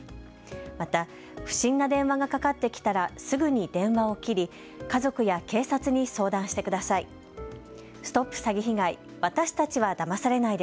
また不審な電話がかかってきたらすぐに電話を切り、家族や警察に相談してしてください。